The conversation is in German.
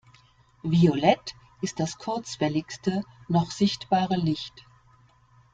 Violett ist das kurzwelligste noch sichtbare Licht.